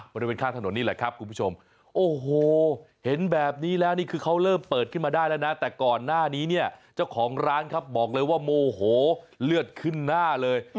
บริเวณข้างถนนนี่แหละครับคุณผู้ชมโอ้โหเห็นแบบนี้แล้วนี่คือเขาเริ่มเปิดขึ้นมาได้แล้วนะแต่ก่อนหน้านี้เนี่ยเจ้าของร้านครับบอกเลยว่าโมโหเลือดขึ้นหน้าเลย